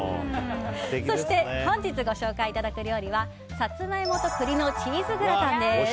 そして本日ご紹介いただく料理はサツマイモと栗のチーズグラタンです。